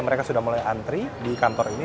mereka sudah mulai antri di kantor ini